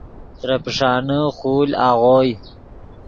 ترے پیݰانے خول آغوئے